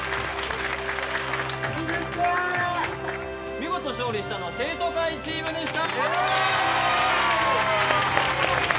見事勝利したのは生徒会チームでした。